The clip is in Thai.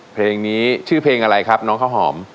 เพลงนี้ชื่อเพลงอะไรครับน้องข้าวหอม